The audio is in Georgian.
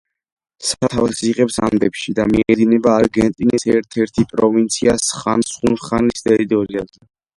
სათავეს იღებს ანდებში და მიედინება არგენტინის ერთ-ერთ პროვინცია სან-ხუანის ტერიტორიაზე.